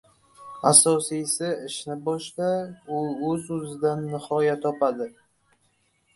• Asosiysi ishni boshla, u o‘z-o‘zidan nihoya topadi.